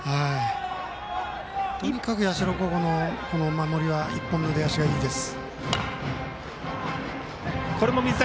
とにかく社高校の守りは１歩目の出足がいいです。